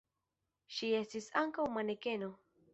Ŝi estis ankaŭ manekeno.